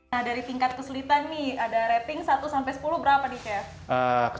nah dari tingkat kesulitan nih ada rating satu sampai sepuluh berapa nih chef